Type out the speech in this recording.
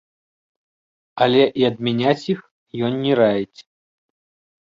Але і адмяняць іх ён не раіць.